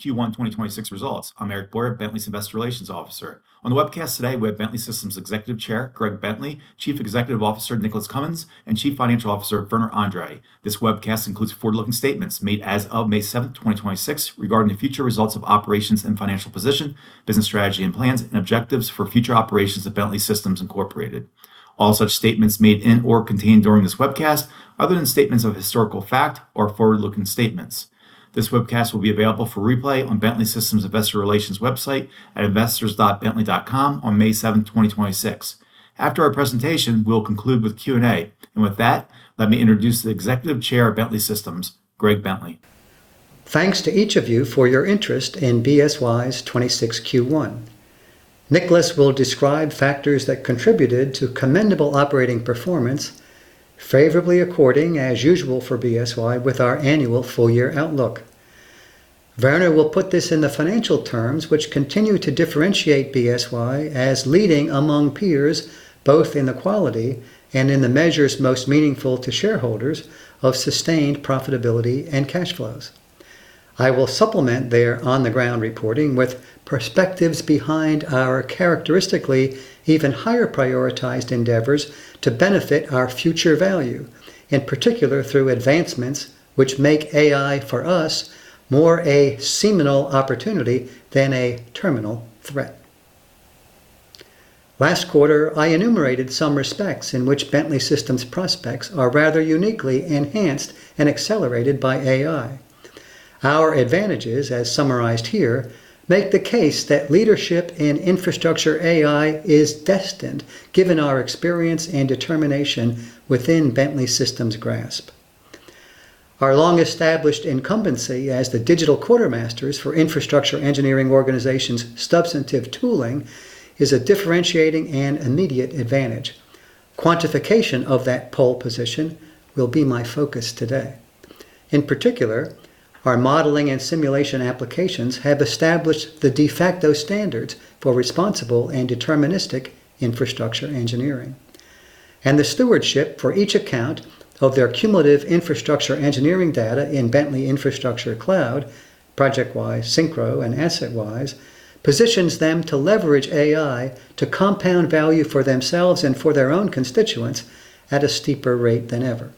Q1 2026 results. I'm Eric Boyer, Bentley's Investor Relations Officer. On the webcast today, we have Bentley Systems Executive Chair, Greg Bentley, Chief Executive Officer, Nicholas Cumins, and Chief Financial Officer, Werner Andre. This webcast includes forward-looking statements made as of May 7, 2026 regarding the future results of operations and financial position, business strategy, and plans and objectives for future operations of Bentley Systems, Incorporated. All such statements made in or contained during this webcast, other than statements of historical fact, are forward-looking statements. This webcast will be available for replay on Bentley Systems Investor Relations website at investors.bentley.com on May 7, 2026. After our presentation, we'll conclude with Q&A. With that, let me introduce the Executive Chair of Bentley Systems, Greg Bentley. Thanks to each of you for your interest in BSY's 2026 Q1. Nicholas will describe factors that contributed to commendable operating performance favorably according, as usual for BSY, with our annual full-year outlook. Werner will put this in the financial terms which continue to differentiate BSY as leading among peers, both in the quality and in the measures most meaningful to shareholders of sustained profitability and cash flows. I will supplement their on-the-ground reporting with perspectives behind our characteristically even higher prioritized endeavors to benefit our future value, in particular through advancements which make AI for us more a seminal opportunity than a terminal threat. Last quarter, I enumerated some respects in which Bentley Systems prospects are rather uniquely enhanced and accelerated by AI. Our advantages, as summarized here, make the case that leadership in Infrastructure AI is destined, given our experience and determination within Bentley Systems grasp. Our long-established incumbency as the digital quartermasters for infrastructure engineering organizations' substantive tooling is a differentiating and immediate advantage. Quantification of that pole position will be my focus today. In particular, our modeling and simulation applications have established the de facto standards for responsible and deterministic infrastructure engineering. The stewardship for each account of their cumulative infrastructure engineering data in Bentley Infrastructure Cloud, ProjectWise, SYNCHRO, and AssetWise, positions them to leverage AI to compound value for themselves and for their own constituents at a steeper rate than ever.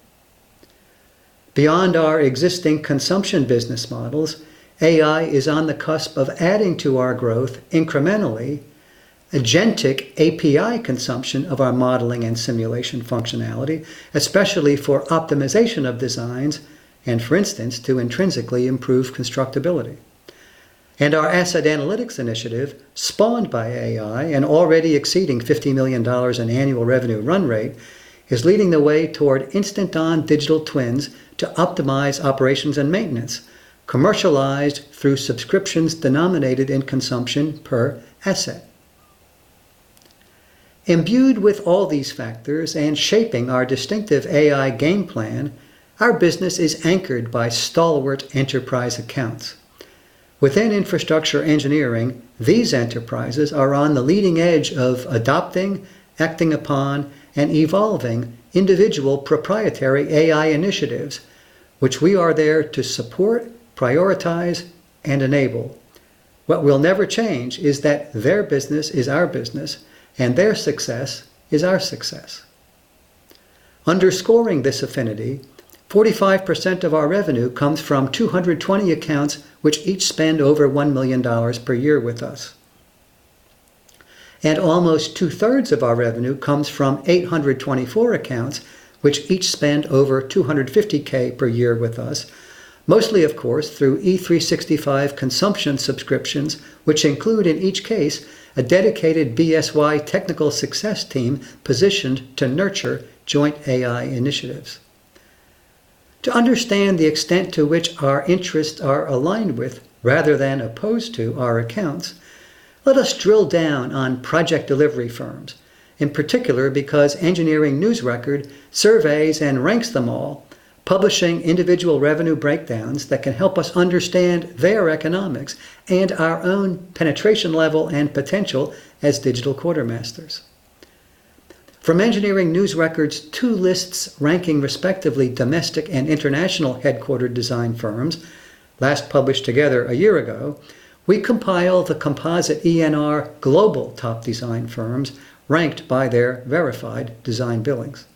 Beyond our existing consumption business models, AI is on the cusp of adding to our growth incrementally agentic API consumption of our modeling and simulation functionality. Especially for optimization of designs and, for instance, to intrinsically improve constructability. Our Asset Analytics initiative, spawned by AI and already exceeding $50 million in annual revenue run rate, is leading the way toward instant-on digital twins to optimize operations and maintenance, commercialized through subscriptions denominated in consumption per asset. Imbued with all these factors and shaping our distinctive AI game plan, our business is anchored by stalwart enterprise accounts. Within infrastructure engineering, these enterprises are on the leading edge of adopting, acting upon, and evolving individual proprietary AI initiatives, which we are there to support, prioritize, and enable. What will never change is that their business is our business, and their success is our success. Underscoring this affinity, 45% of our revenue comes from 220 accounts which each spend over $1 million per year with us. Almost 2/3 of our revenue comes from 824 accounts which each spend over $250,000 per year with us, mostly, of course, through E365 consumption subscriptions, which include, in each case, a dedicated BSY technical success team positioned to nurture joint AI initiatives. To understand the extent to which our interests are aligned with rather than opposed to our accounts. Let us drill down on project delivery firms, in particular because Engineering News-Record surveys and ranks them all, publishing individual revenue breakdowns that can help us understand their economics and our own penetration level and potential as digital quartermasters. From Engineering News-Record's two lists ranking respectively domestic and international headquartered design firms, last published together a year ago. We compile the composite ENR global top design firms ranked by their verified design billings.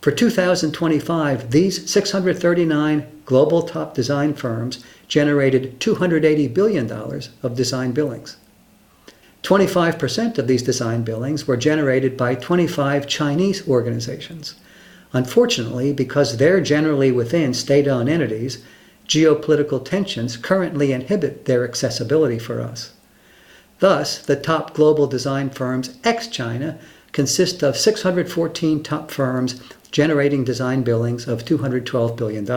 For 2025, these 639 global top design firms generated $280 billion of design billings. 25% of these design billings were generated by 25 Chinese organizations. Unfortunately, because they're generally within state-owned entities, geopolitical tensions currently inhibit their accessibility for us. The top global design firms ex-China consist of 614 top firms generating design billings of $212 billion.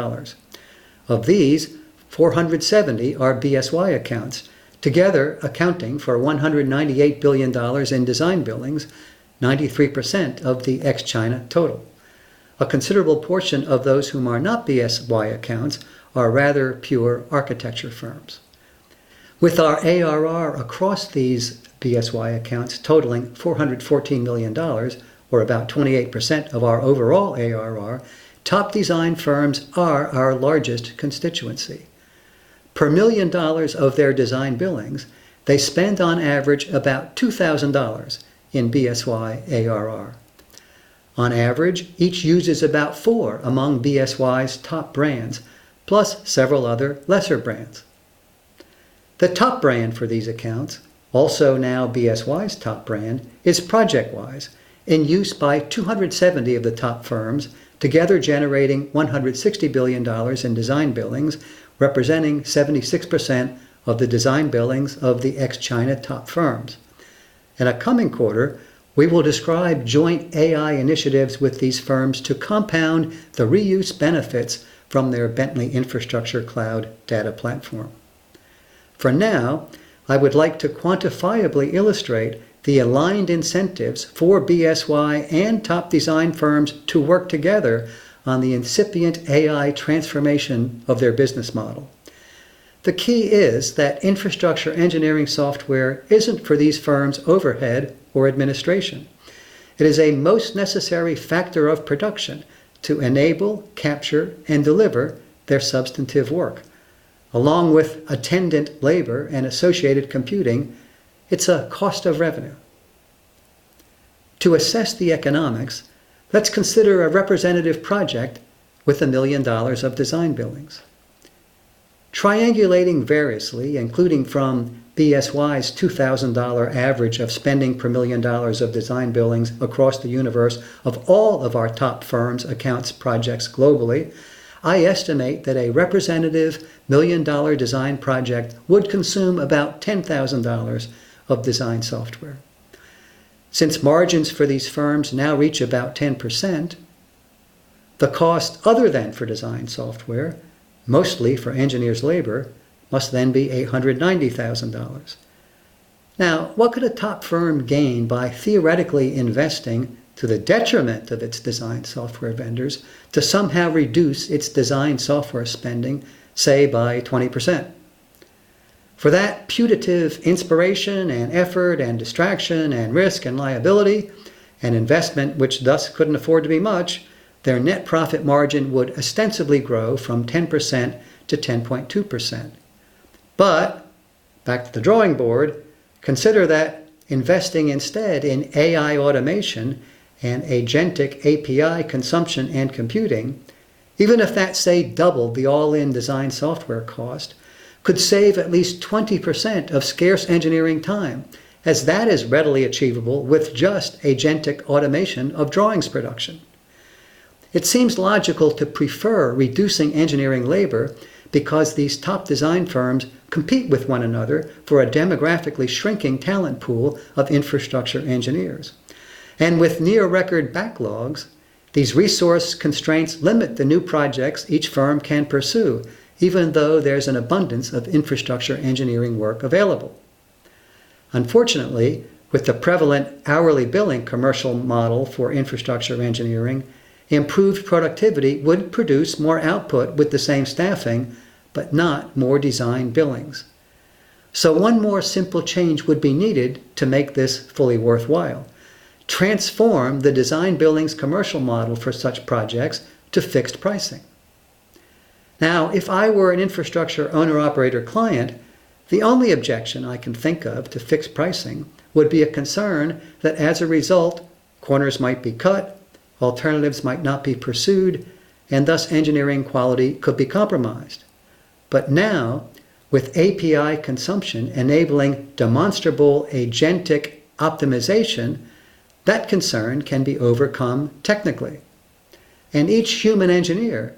Of these, 470 are BSY accounts, together accounting for $198 billion in design billings, 93% of the ex-China total. A considerable portion of those whom are not BSY accounts are rather pure architecture firms. With our ARR across these BSY accounts totaling $414 million, or about 28% of our overall ARR, top design firms are our largest constituency. Per million dollars of their design billings, they spend on average about $2,000 in BSY ARR. On average, each uses about four among BSY's top brands, plus several other lesser brands. The top brand for these accounts, also now BSY's top brand, is ProjectWise, in use by 270 of the top firms, together generating $160 billion in design billings, representing 76% of the design billings of the ex-China top firms. In a coming quarter, we will describe joint AI initiatives with these firms to compound the reuse benefits from their Bentley Infrastructure Cloud data platform. For now, I would like to quantifiably illustrate the aligned incentives for BSY and top design firms to work together on the incipient AI transformation of their business model. The key is that infrastructure engineering software isn't for these firms overhead or administration. It is a most necessary factor of production to enable, capture, and deliver their substantive work. Along with attendant labor and associated computing, it's a cost of revenue. To assess the economics, let's consider a representative project with a million-dollar of design billings. Triangulating variously, including from BSY's $2,000 average of spending per million-dollar of design billings across the universe of all of our top firms' accounts projects globally, I estimate that a representative million-dollar design project would consume about $10,000 of design software. Since margins for these firms now reach about 10%, the cost other than for design software, mostly for engineers' labor, must then be $890,000. Now, what could a top firm gain by theoretically investing to the detriment of its design software vendors to somehow reduce its design software spending, say, by 20%? For that putative inspiration, and effort, and distraction, and risk, and liability, an investment which thus couldn't afford to be much, their net profit margin would ostensibly grow from 10%-10.2%. Back to the drawing board, consider that investing instead in AI automation and agentic API consumption and computing, even if that, say, doubled the all-in design software cost, could save at least 20% of scarce engineering time, as that is readily achievable with just agentic automation of drawings production. It seems logical to prefer reducing engineering labor because these top design firms compete with one another for a demographically shrinking talent pool of infrastructure engineers. With near-record backlogs, these resource constraints limit the new projects each firm can pursue, even though there's an abundance of infrastructure engineering work available. Unfortunately, with the prevalent hourly billing commercial model for infrastructure engineering, improved productivity would produce more output with the same staffing, but not more design billings. One more simple change would be needed to make this fully worthwhile. Transform the design billings commercial model for such projects to fixed pricing. If I were an infrastructure owner-operator client, the only objection I can think of to fixed pricing would be a concern that as a result, corners might be cut, alternatives might not be pursued, and thus engineering quality could be compromised. With API consumption enabling demonstrable agentic optimization, that concern can be overcome technically. Each human engineer,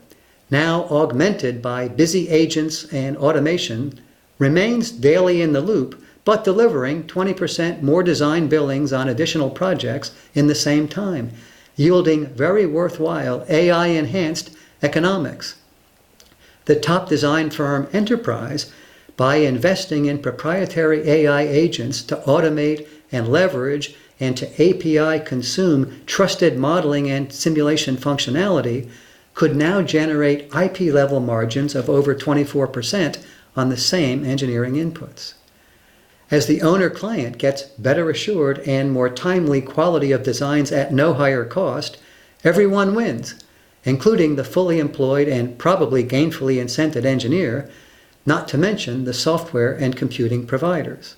now augmented by busy agents and automation, remains daily in the loop, but delivering 20% more design billings on additional projects in the same time, yielding very worthwhile AI-enhanced economics. The top design firm enterprise, by investing in proprietary AI agents to automate and leverage and to API consume trusted modeling and simulation functionality, could now generate IP-level margins of over 24% on the same engineering inputs. As the owner client gets better assured and more timely quality of designs at no higher cost, everyone wins, including the fully employed and probably gainfully incented engineer, not to mention the software and computing providers.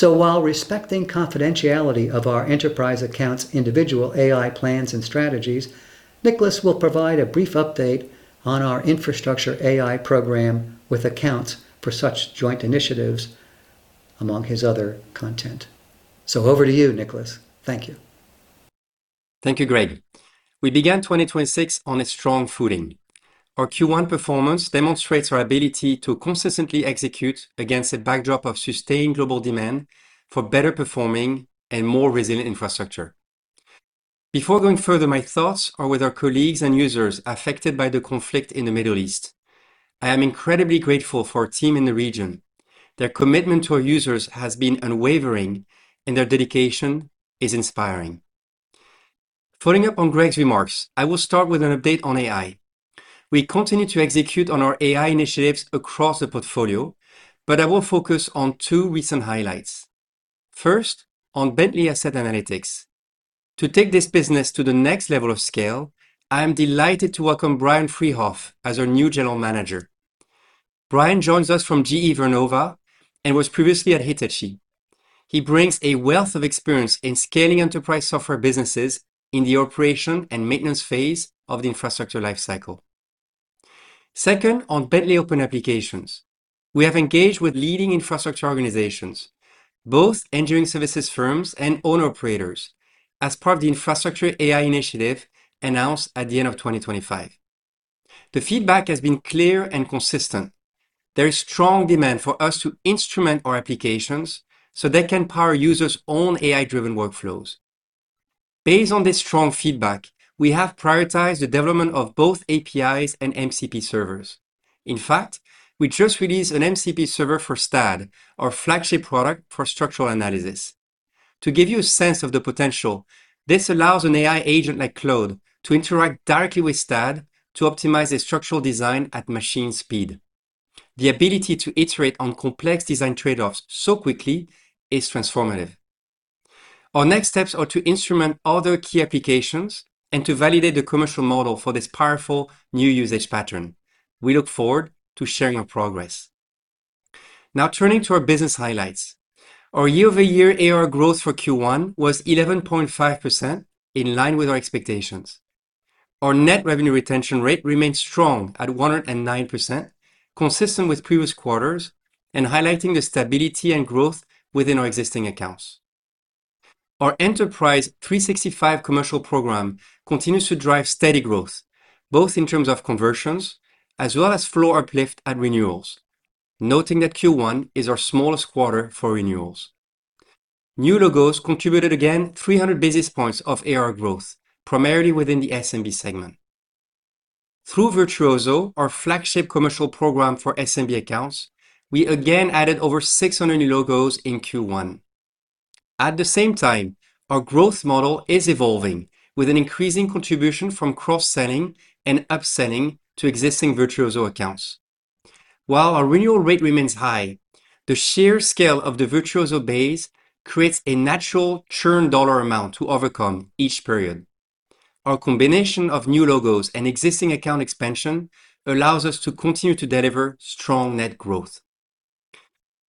While respecting confidentiality of our enterprise accounts' individual AI plans and strategies, Nicholas will provide a brief update on our Infrastructure AI Program with accounts for such joint initiatives, among his other content. Over to you, Nicholas. Thank you. Thank you, Greg. We began 2026 on a strong footing. Our Q1 performance demonstrates our ability to consistently execute against a backdrop of sustained global demand for better-performing and more resilient infrastructure. Before going further, my thoughts are with our colleagues and users affected by the conflict in the Middle East. I am incredibly grateful for our team in the region. Their commitment to our users has been unwavering, and their dedication is inspiring. Following up on Greg's remarks, I will start with an update on AI. We continue to execute on our AI initiatives across the portfolio, but I will focus on two recent highlights. First, on Bentley Asset Analytics. To take this business to the next level of scale, I am delighted to welcome Bryan Friehauf as our new General Manager. Bryan joins us from GE Vernova and was previously at Hitachi. He brings a wealth of experience in scaling enterprise software businesses in the operation and maintenance phase of the infrastructure life cycle. Second, on Bentley Open Applications. We have engaged with leading infrastructure organizations, both engineering services firms and owner-operators, as part of the Infrastructure AI initiative announced at the end of 2025. The feedback has been clear and consistent. There is strong demand for us to instrument our applications, so they can power users' own AI-driven workflows. Based on this strong feedback, we have prioritized the development of both APIs and MCP servers. In fact, we just released an MCP server for STAAD, our flagship product for structural analysis. To give you a sense of the potential, this allows an AI agent like Claude to interact directly with STAAD to optimize the structural design at machine speed. The ability to iterate on complex design trade-offs so quickly is transformative. Our next steps are to instrument other key applications and to validate the commercial model for this powerful new usage pattern. We look forward to sharing our progress. Turning to our business highlights. Our year-over-year ARR growth for Q1 was 11.5%, in line with our expectations. Our net revenue retention rate remains strong at 109%, consistent with previous quarters and highlighting the stability and growth within our existing accounts. Our Enterprise 365 commercial program continues to drive steady growth, both in terms of conversions as well as flow uplift at renewals, noting that Q1 is our smallest quarter for renewals. New logos contributed again 300 basis points of ARR growth, primarily within the SMB segment. Through Virtuoso, our flagship commercial program for SMB accounts, we again added over 600 new logos in Q1. At the same time, our growth model is evolving with an increasing contribution from cross-selling and upselling to existing Virtuoso accounts. While our renewal rate remains high, the sheer scale of the Virtuoso base creates a natural churn dollar amount to overcome each period. Our combination of new logos and existing account expansion allows us to continue to deliver strong net growth.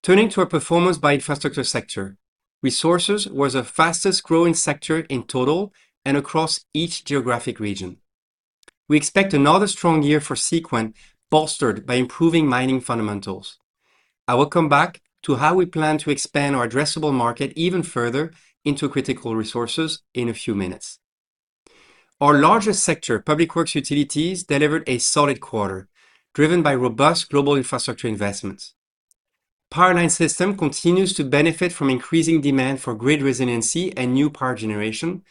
Turning to our performance by infrastructure sector, resources was the fastest-growing sector in total and across each geographic region. We expect another strong year for Seequent, bolstered by improving mining fundamentals. I will come back to how we plan to expand our addressable market even further into critical resources in a few minutes. Our largest sector, public works utilities, delivered a solid quarter, driven by robust global infrastructure investments. Power Line Systems continues to benefit from increasing demand for grid resiliency and new power generation,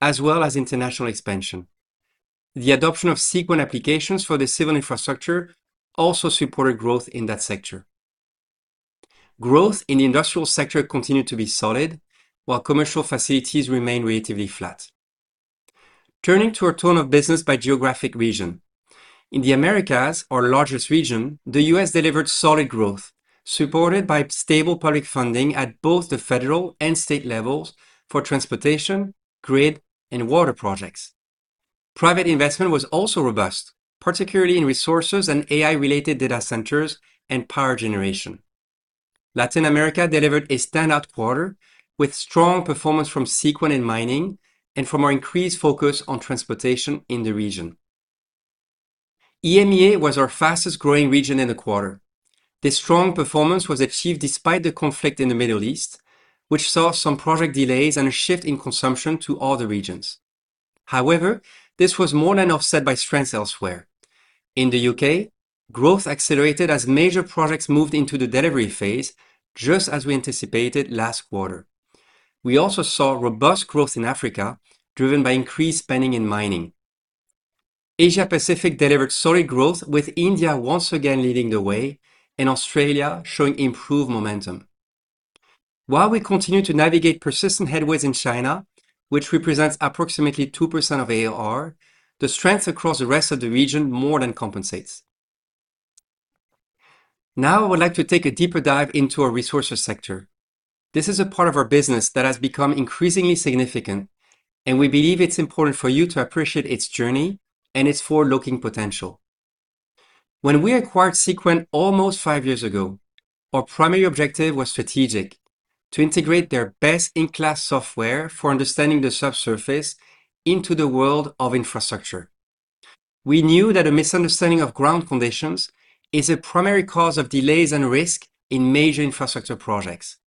as well as international expansion. The adoption of Seequent applications for the civil infrastructure also supported growth in that sector. Growth in the industrial sector continued to be solid, while commercial facilities remained relatively flat. Turning to our tone of business by geographic region. In the Americas, our largest region, the U.S. delivered solid growth, supported by stable public funding at both the federal and state levels for transportation, grid, and water projects. Private investment was also robust, particularly in resources and AI-related data centers and power generation. Latin America delivered a standout quarter with strong performance from Seequent and Mining and from our increased focus on transportation in the region. EMEA was our fastest-growing region in the quarter. This strong performance was achieved despite the conflict in the Middle East, which saw some project delays and a shift in consumption to other regions. This was more than offset by strengths elsewhere. In the U.K., growth accelerated as major projects moved into the delivery phase, just as we anticipated last quarter. We also saw robust growth in Africa, driven by increased spending in mining. Asia-Pacific delivered solid growth, with India once again leading the way and Australia showing improved momentum. While we continue to navigate persistent headwinds in China, which represents approximately 2% of ARR, the strength across the rest of the region more than compensates. I would like to take a deeper dive into our resources sector. This is a part of our business that has become increasingly significant, and we believe it's important for you to appreciate its journey and its forward-looking potential. When we acquired Seequent almost five years ago, our primary objective was strategic. To integrate their best-in-class software for understanding the subsurface into the world of infrastructure. We knew that a misunderstanding of ground conditions is a primary cause of delays and risk in major infrastructure projects.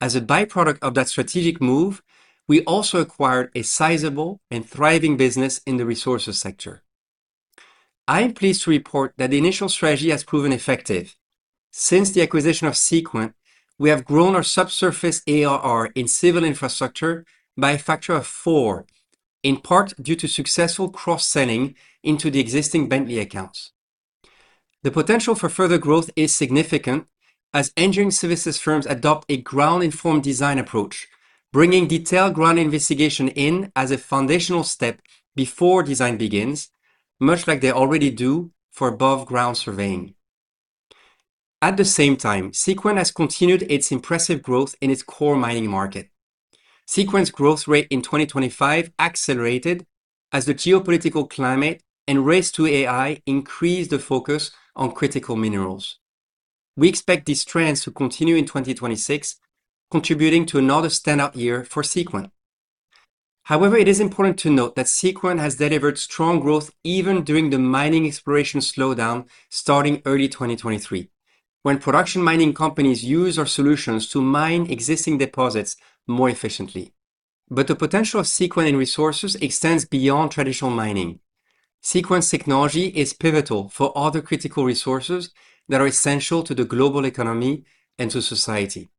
As a byproduct of that strategic move, we also acquired a sizable and thriving business in the resources sector. I am pleased to report that the initial strategy has proven effective. Since the acquisition of Seequent, we have grown our subsurface ARR in civil infrastructure by a factor of four, in part due to successful cross-selling into the existing Bentley accounts. The potential for further growth is significant as engineering services firms adopt a ground-informed design approach, bringing detailed ground investigation in as a foundational step before design begins, much like they already do for above ground surveying. At the same time, Seequent has continued its impressive growth in its core mining market. Seequent's growth rate in 2025 accelerated as the geopolitical climate and race to AI increased the focus on critical minerals. We expect these trends to continue in 2026, contributing to another standout year for Seequent. It is important to note that Seequent has delivered strong growth even during the mining exploration slowdown starting early 2023, when production mining companies used our solutions to mine existing deposits more efficiently. The potential of Seequent in resources extends beyond traditional mining. Seequent's technology is pivotal for other critical resources that are essential to the global economy and to society.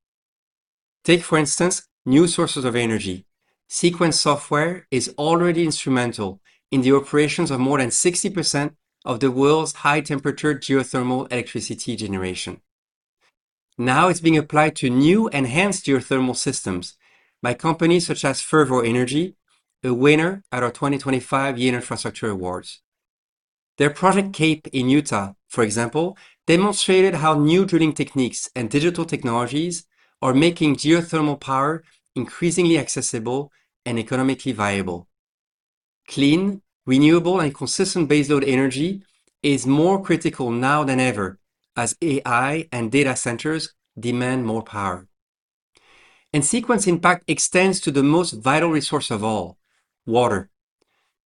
Take, for instance, new sources of energy. Seequent software is already instrumental in the operations of more than 60% of the world's high-temperature geothermal electricity generation. It's being applied to new enhanced geothermal systems by companies such as Fervo Energy, a winner at our 2025 Year in Infrastructure Awards. Their project Cape Station project in Utah, for example, demonstrated how new drilling techniques and digital technologies are making geothermal power increasingly accessible and economically viable. Clean, renewable, and consistent baseload energy is more critical now than ever as AI and data centers demand more power. Seequent's impact extends to the most vital resource of all, water.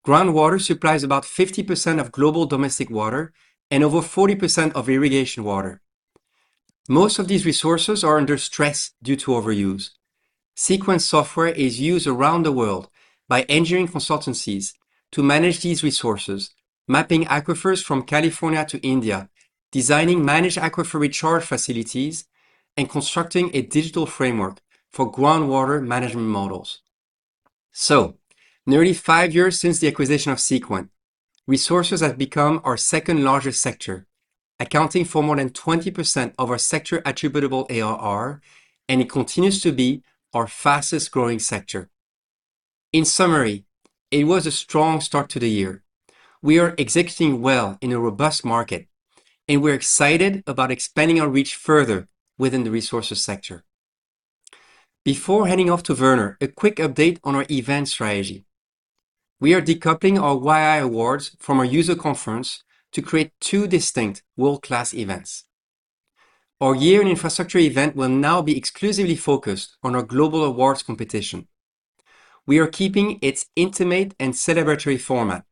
Groundwater supplies about 50% of global domestic water and over 40% of irrigation water. Most of these resources are under stress due to overuse. Seequent software is used around the world by engineering consultancies to manage these resources, mapping aquifers from California to India, designing managed aquifer recharge facilities, and constructing a digital framework for groundwater management models. Nearly five years since the acquisition of Seequent, resources have become our second-largest sector, accounting for more than 20% of our sector attributable ARR, and it continues to be our fastest-growing sector. In summary, it was a strong start to the year. We are executing well in a robust market, and we're excited about expanding our reach further within the resources sector. Before heading off to Werner, a quick update on our event strategy. We are decoupling our YII awards from our user conference to create two distinct world-class events. Our Year in Infrastructure event will now be exclusively focused on our global awards competition. We are keeping its intimate and celebratory format.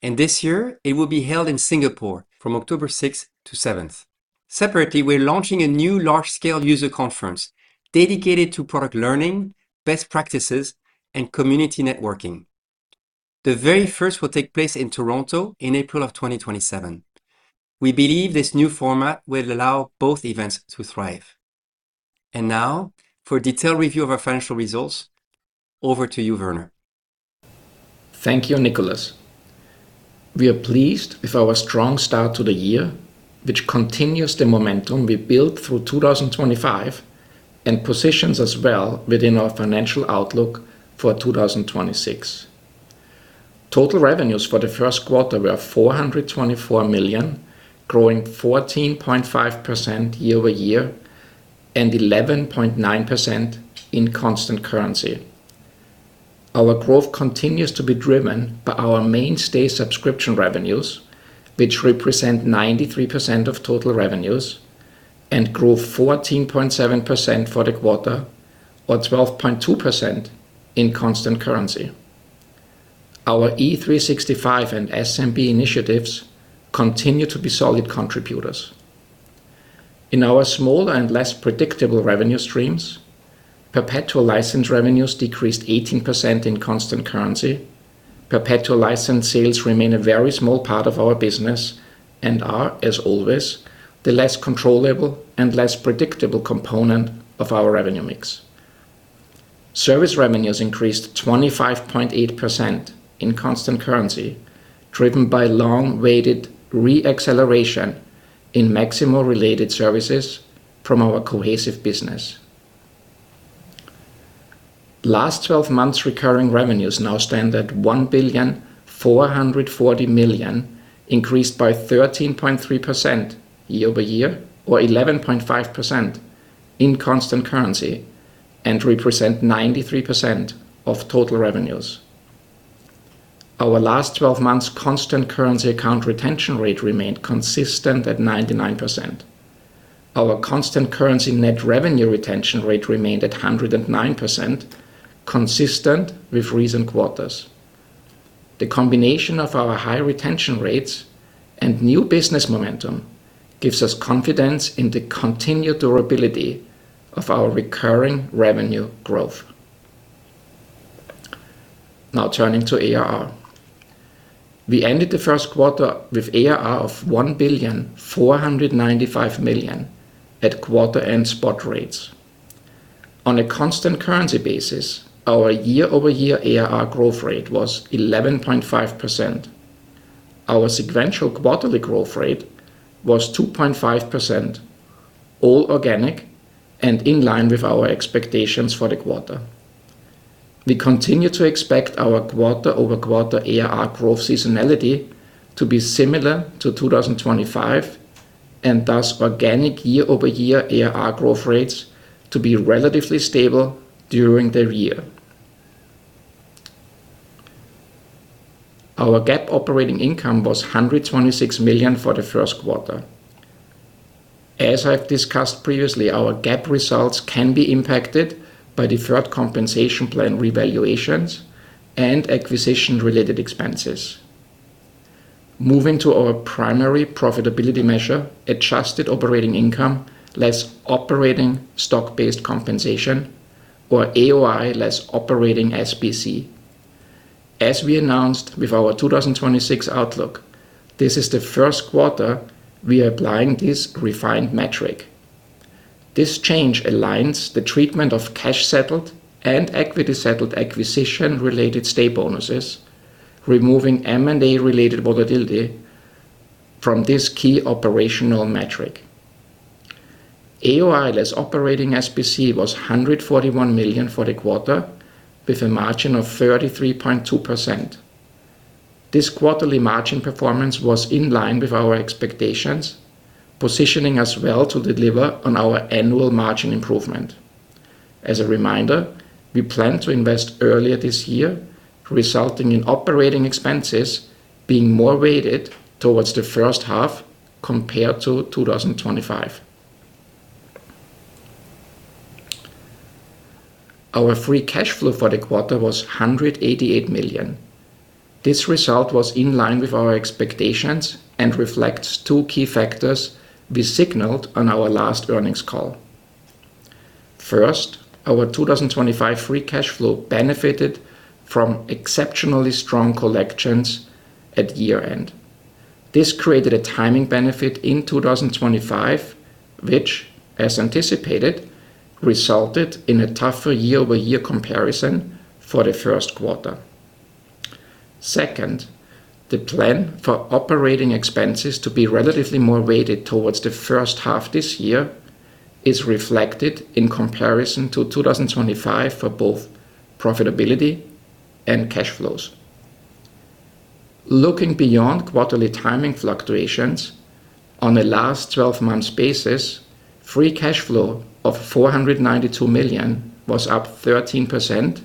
This year it will be held in Singapore from October 6th-7th. Separately, we're launching a new large-scale user conference dedicated to product learning, best practices, and community networking. The very first will take place in Toronto in April of 2027. We believe this new format will allow both events to thrive. Now, for a detailed review of our financial results, over to you, Werner. Thank you, Nicholas. We are pleased with our strong start to the year, which continues the momentum we built through 2025 and positions us well within our financial outlook for 2026. Total revenues for the first quarter were $424 million, growing 14.5% year-over-year and 11.9% in constant currency. Our growth continues to be driven by our mainstay subscription revenues, which represent 93% of total revenues and grew 14.7% for the quarter or 12.2% in constant currency. Our E365 and SMB initiatives continue to be solid contributors. In our smaller and less predictable revenue streams, perpetual license revenues decreased 18% in constant currency. Perpetual license sales remain a very small part of our business and are, as always, the less controllable and less predictable component of our revenue mix. Service revenues increased 25.8% in constant currency, driven by long-awaited re-acceleration in Maximo-related services from our Cohesive business. Last 12 months recurring revenues now stand at $1.44 billion, increased by 13.3% year-over-year or 11.5% in constant currency and represent 93% of total revenues. Our last 12 months constant currency account retention rate remained consistent at 99%. Our constant currency net revenue retention rate remained at 109%, consistent with recent quarters. The combination of our high retention rates and new business momentum gives us confidence in the continued durability of our recurring revenue growth. Now turning to ARR. We ended the first quarter with ARR of $1.495 billion at quarter-end spot rates. On a constant currency basis, our year-over-year ARR growth rate was 11.5%. Our sequential quarterly growth rate was 2.5%, all organic and in line with our expectations for the quarter. We continue to expect our quarter-over-quarter ARR growth seasonality to be similar to 2025 and thus organic year-over-year ARR growth rates to be relatively stable during the year. Our GAAP operating income was $126 million for the first quarter. As I've discussed previously, our GAAP results can be impacted by deferred compensation plan revaluations and acquisition-related expenses. Moving to our primary profitability measure, adjusted operating income less operating stock-based compensation or AOI less operating SBC. As we announced with our 2026 outlook, this is the first quarter we are applying this refined metric. This change aligns the treatment of cash-settled and equity-settled acquisition-related stay bonuses, removing M&A-related volatility from this key operational metric. AOI less operating SBC was $141 million for the quarter with a margin of 33.2%. This quarterly margin performance was in line with our expectations, positioning us well to deliver on our annual margin improvement. As a reminder, we plan to invest earlier this year, resulting in operating expenses being more weighted towards the first half compared to 2025. Our free cash flow for the quarter was $188 million. This result was in line with our expectations and reflects two key factors we signaled on our last earnings call. First, our 2025 free cash flow benefited from exceptionally strong collections at year-end. This created a timing benefit in 2025, which, as anticipated, resulted in a tougher year-over-year comparison for the first quarter. Second, the plan for operating expenses to be relatively more weighted towards the first half this year is reflected in comparison to 2025 for both profitability and cash flows. Looking beyond quarterly timing fluctuations, on a last 12 months basis, free cash flow of $492 million was up 13%,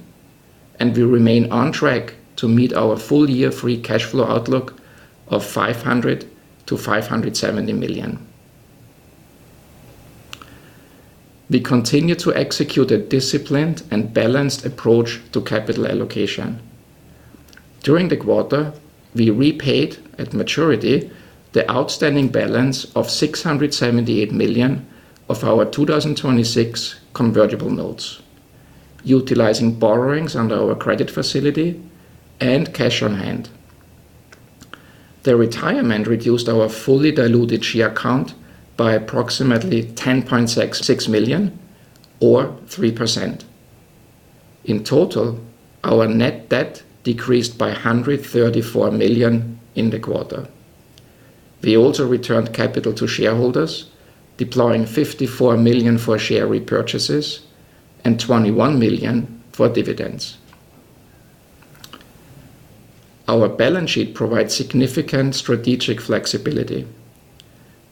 and we remain on track to meet our full year free cash flow outlook of $500 million-$570 million. We continue to execute a disciplined and balanced approach to capital allocation. During the quarter, we repaid at maturity the outstanding balance of $678 million of our 2026 convertible notes, utilizing borrowings under our credit facility and cash on hand. The retirement reduced our fully diluted share count by approximately 10.66 million or 3%. In total, our net debt decreased by $134 million in the quarter. We also returned capital to shareholders, deploying $54 million for share repurchases and $21 million for dividends. Our balance sheet provides significant strategic flexibility.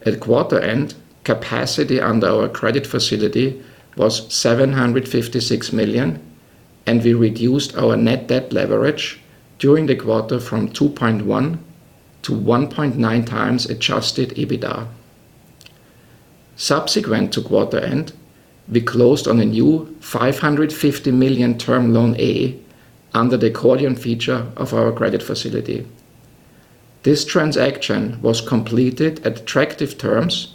At quarter end, capacity under our credit facility was $756 million, and we reduced our net debt leverage during the quarter from 2.1x-1.9x adjusted EBITDA. Subsequent to quarter end, we closed on a new $550 million term loan A under the accordion feature of our credit facility. This transaction was completed at attractive terms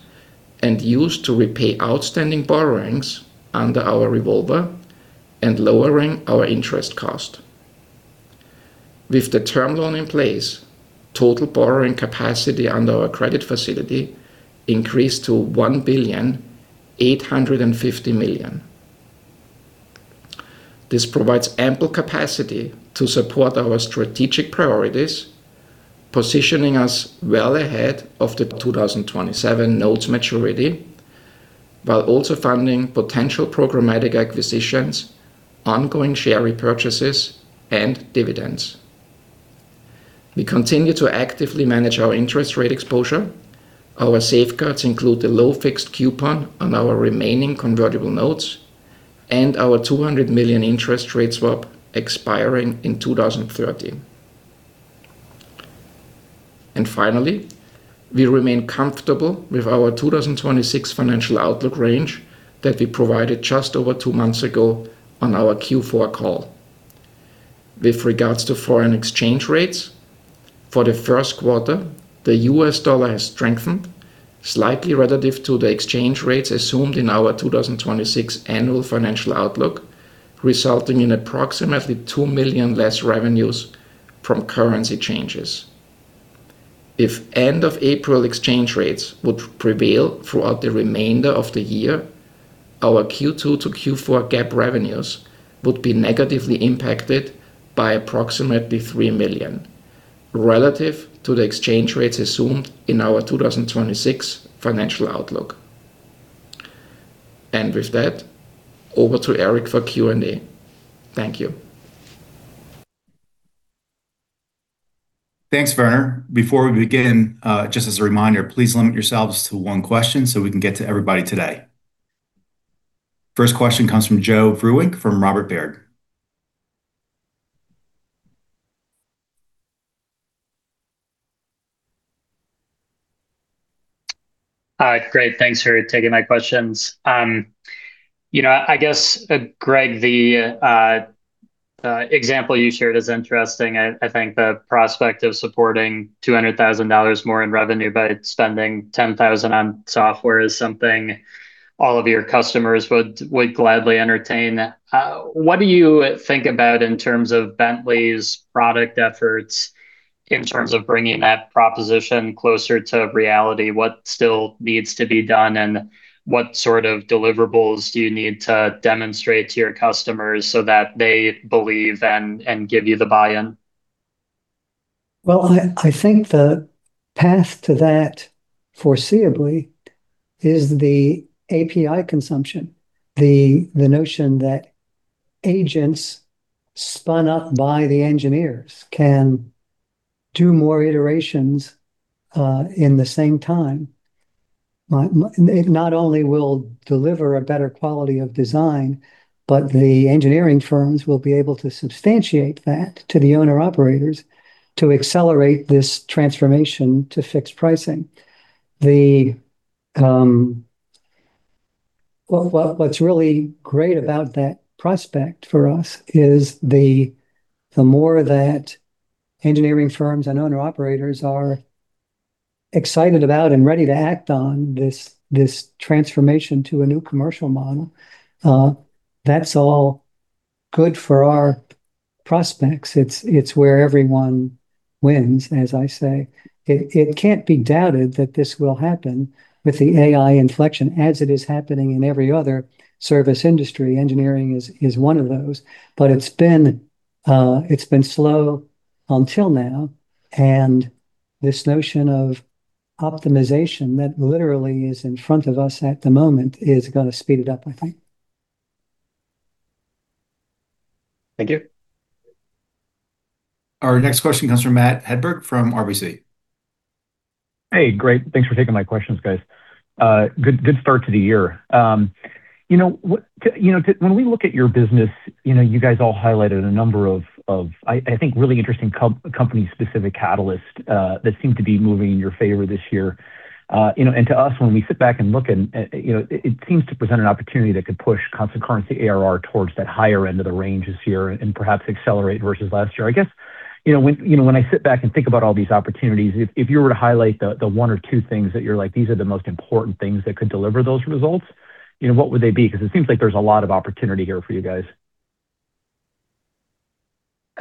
and used to repay outstanding borrowings under our revolver and lowering our interest cost. With the term loan in place, total borrowing capacity under our credit facility increased to $1,850 billion. This provides ample capacity to support our strategic priorities, positioning us well ahead of the 2027 notes maturity, while also funding potential programmatic acquisitions, ongoing share repurchases, and dividends. We continue to actively manage our interest rate exposure. Our safeguards include the low fixed coupon on our remaining convertible notes and our $200 million interest rate swap expiring in 2030. Finally, we remain comfortable with our 2026 financial outlook range that we provided just over two months ago on our Q4 call. With regards to foreign exchange rates, for the first quarter, the U.S. dollar has strengthened slightly relative to the exchange rates assumed in our 2026 annual financial outlook, resulting in approximately $2 million less revenues from currency changes. If end of April exchange rates would prevail throughout the remainder of the year, our Q2-Q4 GAAP revenues would be negatively impacted by approximately $3 million, relative to the exchange rates assumed in our 2026 financial outlook. With that, over to Eric for Q&A. Thank you. Thanks, Werner. Before we begin, just as a reminder, please limit yourselves to one question so we can get to everybody today. First question comes from Joe Vruwink from Robert W. Baird. Great. Thanks for taking my questions. You know, I guess, Greg, the example you shared is interesting. I think the prospect of supporting $200,000 more in revenue by spending $10,000 on software is something all of your customers would gladly entertain. What do you think about in terms of Bentley's product efforts in terms of bringing that proposition closer to reality? What still needs to be done, and what sort of deliverables do you need to demonstrate to your customers so that they believe and give you the buy-in? Well, I think the path to that foreseeably is the API consumption. The notion that agents spun up by the engineers can do more iterations in the same time. It not only will deliver a better quality of design, but the engineering firms will be able to substantiate that to the owner-operators to accelerate this transformation to fixed pricing. Well, what's really great about that prospect for us is the more that engineering firms and owner-operators are excited about and ready to act on this transformation to a new commercial model, that's all good for our prospects. It's where everyone wins, as I say. It can't be doubted that this will happen with the AI inflection as it is happening in every other service industry. Engineering is one of those. It's been slow until now, and this notion of optimization that literally is in front of us at the moment is gonna speed it up, I think. Thank you. Our next question comes from Matt Hedberg from RBC. Hey, great. Thanks for taking my questions, guys. Good start to the year. You know, when we look at your business, you know, you guys all highlighted a number of, I think, really interesting company specific catalyst that seem to be moving in your favor this year. You know, to us, when we sit back and look and, you know, it seems to present an opportunity that could push constant currency ARR towards that higher end of the range this year and perhaps accelerate versus last year. I guess, you know, when I sit back and think about all these opportunities, if you were to highlight the one or two things that you're like, these are the most important things that could deliver those results, you know, what would they be? Because it seems like there's a lot of opportunity here for you guys.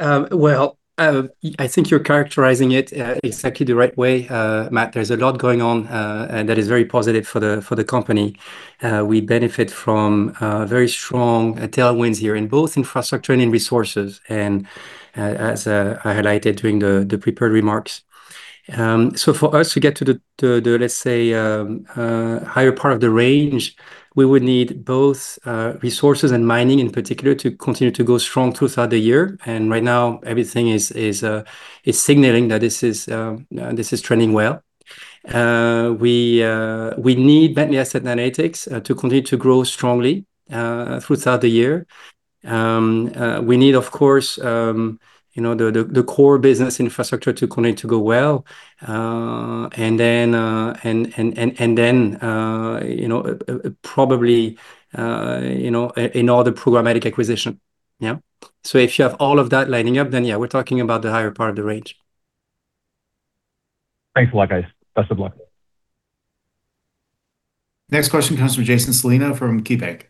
Well, I think you're characterizing it exactly the right way, Matt. There's a lot going on, and that is very positive for the company. We benefit from very strong tailwinds here in both infrastructure and in resources, as I highlighted during the prepared remarks. For us to get to the, let's say, higher part of the range, we would need both resources and mining in particular to continue to go strong throughout the year. Right now everything is signaling that this is trending well. We need Bentley Asset Analytics to continue to grow strongly throughout the year. We need, of course, you know, the core business infrastructure to continue to go well. Then, you know, probably, you know, another programmatic acquisition. Yeah. If you have all of that lining up, then yeah, we're talking about the higher part of the range. Thanks a lot, guys. Best of luck. Next question comes from Jason Celino from KeyBanc.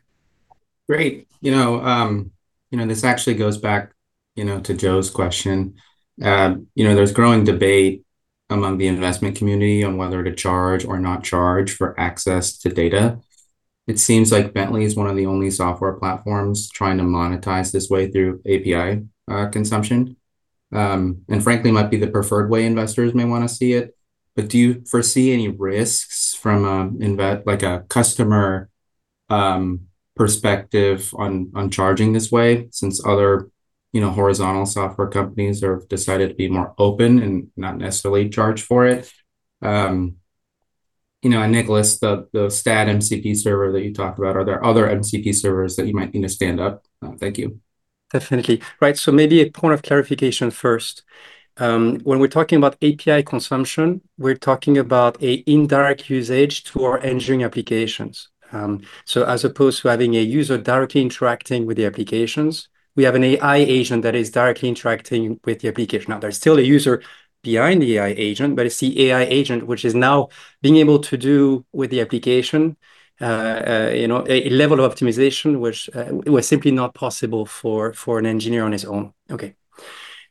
Great. You know, you know, this actually goes back, you know, to Joe's question. You know, there's growing debate among the investment community on whether to charge or not charge for access to data. It seems like Bentley is one of the only software platforms trying to monetize this way through API consumption. Frankly might be the preferred way investors may wanna see it. Do you foresee any risks from a customer perspective on charging this way since other, you know, horizontal software companies have decided to be more open and not necessarily charge for it? You know, Nicholas, the STAAD MCP server that you talked about, are there other MCP servers that you might need to stand up? Thank you. Definitely. Right. Maybe a point of clarification first. When we're talking about API consumption, we're talking about a indirect usage to our engineering applications. As opposed to having a user directly interacting with the applications, we have an AI agent that is directly interacting with the application. There's still a user behind the AI agent, but it's the AI agent which is now being able to do with the application, you know, a level of optimization which was simply not possible for an engineer on his own. Okay.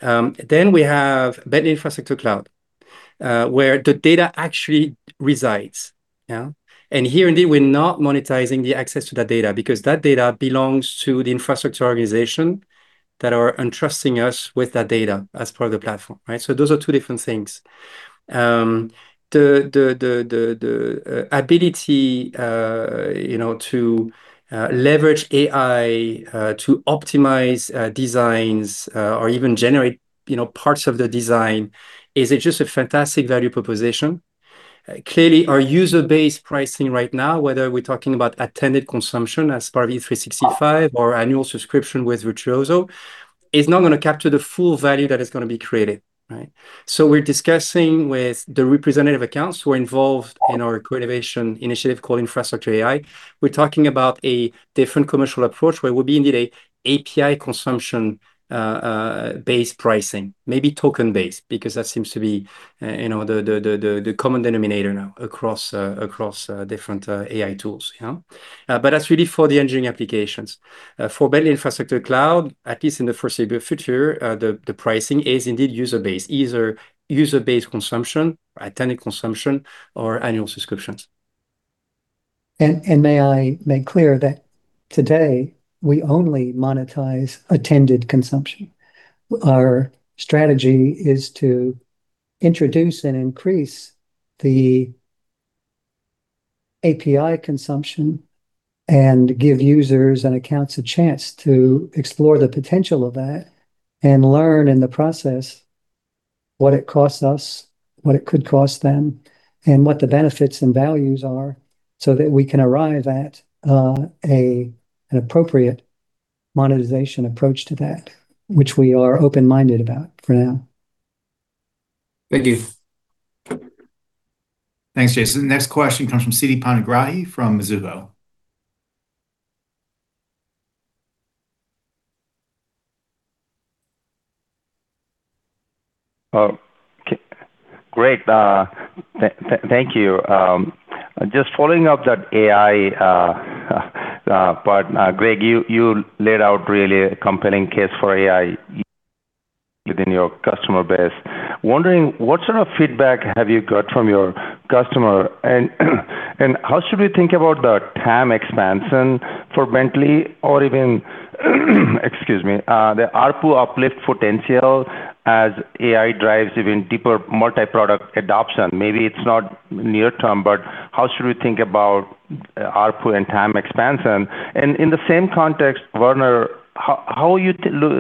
We have Bentley Infrastructure Cloud, where the data actually resides. Yeah. Here, indeed, we're not monetizing the access to that data because that data belongs to the infrastructure organization that are entrusting us with that data as part of the platform, right? Those are two different things. The ability, you know, to leverage AI to optimize designs or even generate, you know, parts of the design is just a fantastic value proposition. Clearly our user base pricing right now, whether we're talking about attended consumption as part of E365 or annual subscription with Virtuoso, is not gonna capture the full value that is gonna be created, right? We're discussing with the representative accounts who are involved in our co-innovation initiative called Infrastructure AI. We're talking about a different commercial approach where it would be indeed a API consumption based pricing, maybe token-based, because that seems to be, you know, the common denominator now across different AI tools. Yeah. That's really for the engineering applications. For Bentley Infrastructure Cloud, at least in the foreseeable future, the pricing is indeed user-based. Either user-based consumption or attended consumption or annual subscriptions. May I make clear that today we only monetize attended consumption. Our strategy is to introduce and increase the API consumption and give users and accounts a chance to explore the potential of that and learn in the process what it costs us, what it could cost them, and what the benefits and values are so that we can arrive at an appropriate monetization approach to that which we are open-minded about for now. Thank you. Thanks, Jason. Next question comes from Siti Panigrahi from Mizuho. Great. Thank you. Just following up that AI part, Greg, you laid out really a compelling case for AI within your customer base. Wondering what sort of feedback have you got from your customer and how should we think about the TAM expansion for Bentley or even, excuse me, the ARPU uplift potential as AI drives even deeper multi-product adoption? Maybe it's not near term, but how should we think about ARPU and TAM expansion? In the same context, Werner, how are you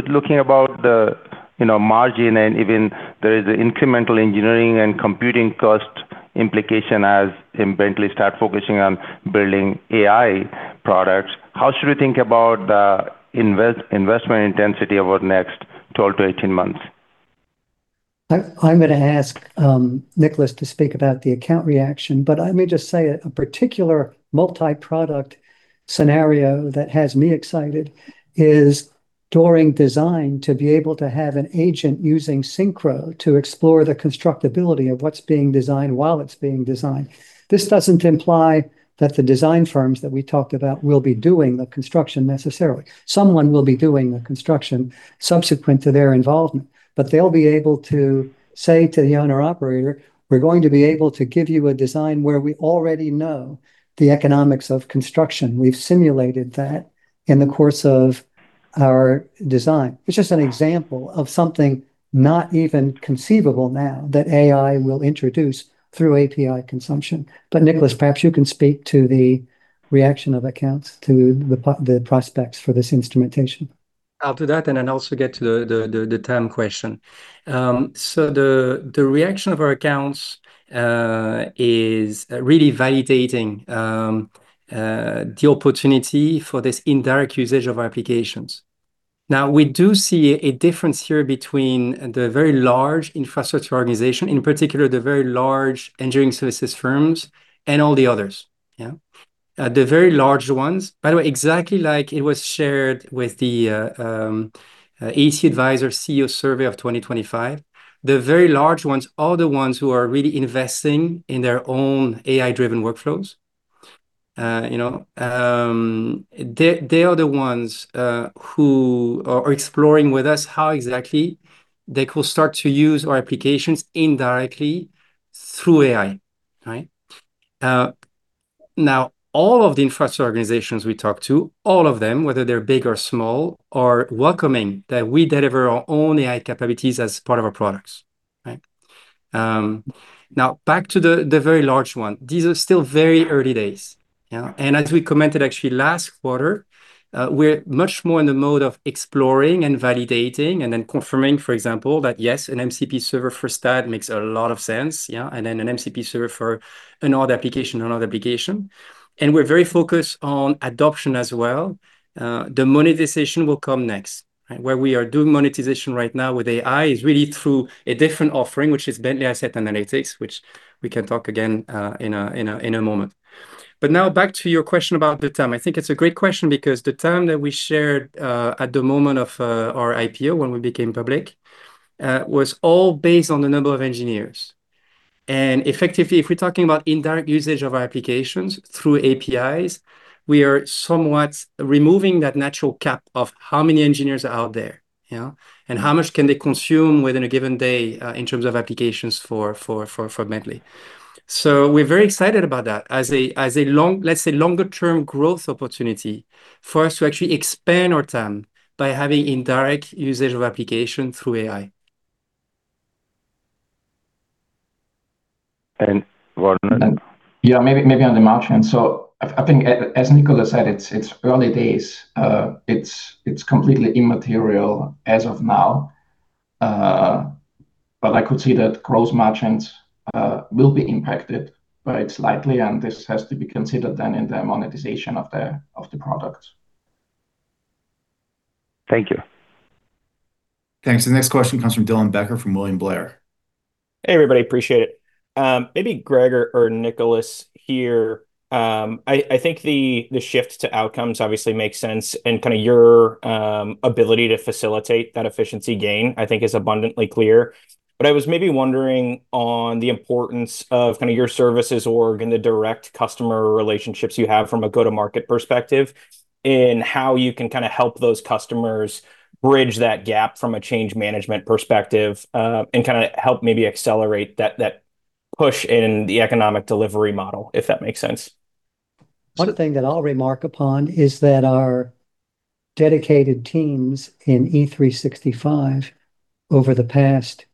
looking about the, you know, margin and even there is incremental engineering and computing cost implication as in Bentley start focusing on building AI products. How should we think about the investment intensity over the next 12 months-18 months? I'm gonna ask Nicholas to speak about the account reaction. I may just say a particular multi-product scenario that has me excited is during design to be able to have an agent using SYNCHRO to explore the constructability of what's being designed while it's being designed. This doesn't imply that the design firms that we talked about will be doing the construction necessarily. Someone will be doing the construction subsequent to their involvement. They'll be able to say to the owner operator, we're going to be able to give you a design where we already know the economics of construction. We've simulated that in the course of our design. It's just an example of something not even conceivable now that AI will introduce through API consumption. Nicholas, perhaps you can speak to the reaction of accounts to the prospects for this instrumentation. I'll do that, and then also get to the TAM question. The reaction of our accounts is really validating the opportunity for this indirect usage of our applications. Now, we do see a difference here between the very large infrastructure organization, in particular, the very large engineering services firms and all the others. Yeah. The very large ones, by the way, exactly like it was shared with the AEC Advisors CEO survey of 2025. The very large ones are the ones who are really investing in their own AI-driven workflows. You know, they are the ones who are exploring with us how exactly they could start to use our applications indirectly through AI, right? All of the infrastructure organizations we talk to, all of them, whether they're big or small, are welcoming that we deliver our own AI capabilities as part of our products, right? Back to the very large one. These are still very early days, yeah. As we commented actually last quarter, we're much more in the mode of exploring and validating and then confirming, for example, that yes, an MCP server for STAAD makes a lot of sense. Yeah. An MCP server for another application. We're very focused on adoption as well. The monetization will come next, right? Where we are doing monetization right now with AI is really through a different offering, which is Bentley Asset Analytics, which we can talk again in a moment. Now back to your question about the TAM. I think it's a great question because the TAM that we shared, at the moment of, our IPO when we became public, was all based on the number of engineers. Effectively, if we're talking about indirect usage of our applications through APIs, we are somewhat removing that natural cap of how many engineers are out there. Yeah. How much can they consume within a given day, in terms of applications for Bentley. We're very excited about that as a, as a long, let's say, longer term growth opportunity for us to actually expand our TAM by having indirect usage of application through AI. Werner? Yeah, maybe on the margin. I think as Nicholas said, it's early days. It's completely immaterial as of now. I could see that gross margins will be impacted, but it's likely, and this has to be considered then in the monetization of the product. Thank you. Thanks. The next question comes from Dylan Becker from William Blair. Hey, everybody, appreciate it. Maybe Greg or Nicholas here. I think the shift to outcomes obviously makes sense and kind of your ability to facilitate that efficiency gain, I think is abundantly clear. I was maybe wondering on the importance of kind of your services org and the direct customer relationships you have from a go-to-market perspective in how you can kind of help those customers bridge that gap from a change management perspective and kind of help maybe accelerate that push in the economic delivery model, if that makes sense. One thing that I'll remark upon is that our dedicated teams in E365 over the past year